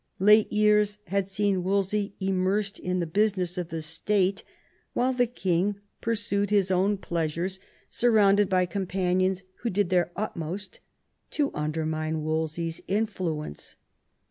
Late years had seen Wolsey immersed in the business of the State, while the king pursued his own pleasures, sur 112 THOMAS WOLSEY ohaf. rounded by companions who did their utmost to under mine Wolsey's influence.